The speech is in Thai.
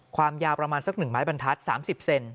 ความยาวประมาณสัก๑ไม้บรรทัศน์๓๐เซน